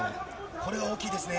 これは大きいですね。